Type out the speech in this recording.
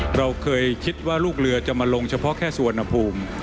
เราเคยคิดลูกเรือจะลงเฉพาะแค่สวนภูมิ